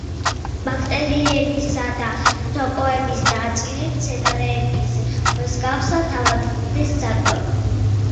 ბაქტერიებისა და სოკოების ნაწილი, მცენარეების მსგავსად, თავად ქმნის საკვებს.